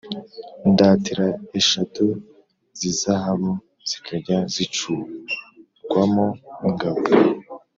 indatira eshatu z izahabu zikajya zicurwamo ingabo